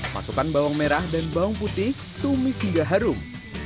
masukkan bawang merah dan bawang putih tumis hingga harum